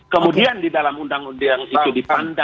kemudian di dalam undang undang itu dipandang